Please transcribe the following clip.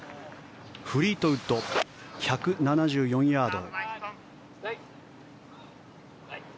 フリートウッド、１７４ヤード。